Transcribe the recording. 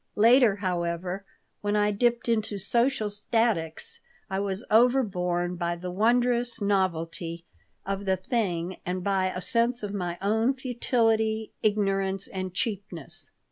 Later, however, when I dipped into Social Statics, I was over borne by the wondrous novelty of the thing and by a sense of my own futility, ignorance, and cheapness.